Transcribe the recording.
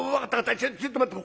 ちょっと待ってろ。